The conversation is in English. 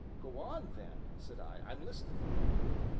"Go on, then," said I, "I'm listening."